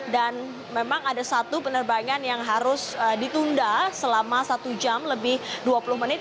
dan memang ada satu penerbangan yang harus ditunda selama satu jam lebih dua puluh menit